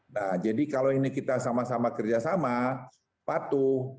nah jadi kalau ini kita sama sama kerjasama patuh